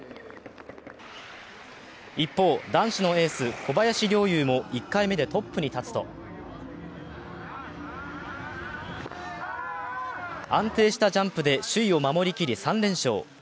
一方、男子のエース、小林陵侑も１回目でトップに立つと安定したジャンプで首位を守りきり３連勝。